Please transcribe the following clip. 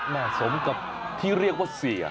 สมกับที่เรียกว่าเสีย